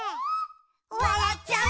「わらっちゃう」